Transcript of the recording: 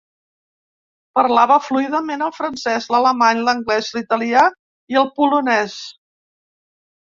Parlava fluidament el francès, l'alemany, l'anglès, l'italià i el polonès.